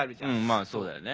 まぁそうだよね。